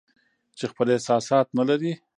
چې خپل احساسات نه لري